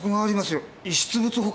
遺失物保管室。